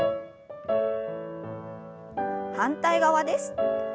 反対側です。